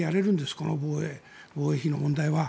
この防衛費の問題は。